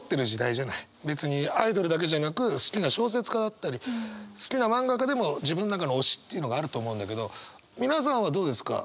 別にアイドルだけじゃなく好きな小説家だったり好きな漫画家でも自分の中の推しっていうのがあると思うんだけど皆さんはどうですか？